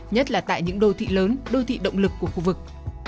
nhất là tại những đô thị lớn đô thị động lực của khu vực